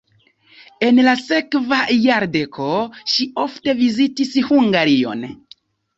En la sekva jardeko ŝi ofte vizitis Hungarion.